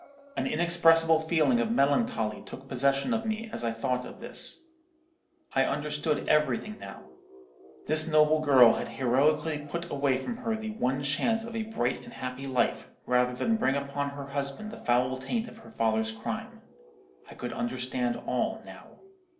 An inexpressible feeling of melancholy took possession of me as I thought of this. I understood everything now. This noble girl had heroically put away from her the one chance of bright and happy life, rather than bring upon her husband the foul taint of her father's crime. I could understand all now.